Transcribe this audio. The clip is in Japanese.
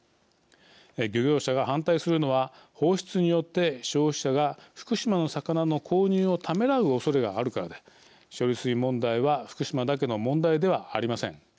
漁業者が反対するのは放出によって消費者が福島の魚の購入をためらうおそれがあるからで処理水問題は福島だけの問題ではありません。